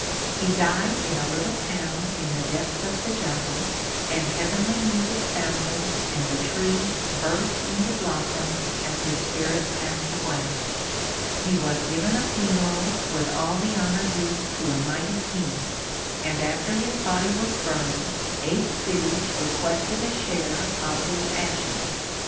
He died in a little town in the depths of the jungle, and heavenly music sounded and the trees burst into blossom as his spirit passed away. He was given a funeral with all the honor due to a mighty king and after his body was burned, eight cities requested a share of his ashes.